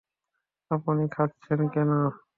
আপনি খাচ্ছেন কেন?